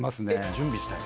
準備したり？